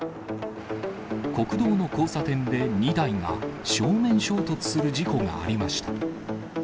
国道の交差点で２台が正面衝突する事故がありました。